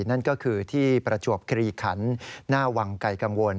นั่นก็คือที่ประจวบคลีขันหน้าวังไก่กังวล